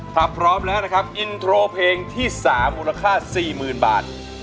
ถ้าพร้อมแล้วนะครับอินโทรเพลงที่สามมูลค่าสี่หมื่นบาท